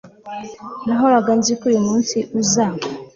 nahoraga nzi ko uyumunsi uza